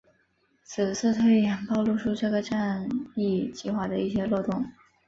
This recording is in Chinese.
此次推演暴露出了这个战役计划的一些漏洞。